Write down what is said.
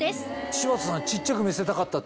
柴田さん小っちゃく見せたかったって。